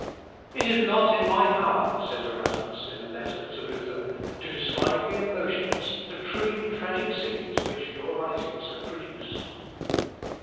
"It is not in my power," says Erasmus, in a letter to Luther, "to describe the emotions, the truly tragic scenes, which your writings have produced."